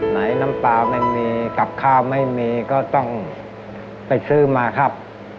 น้ำปลาไม่มีกับข้าวไม่มีก็ต้องไปซื้อมาครับ